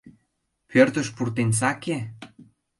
Пӧртыш пуртен саке!